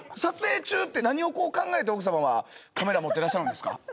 撮影中って何を考えて奥様はカメラ持ってらっしゃるんですか？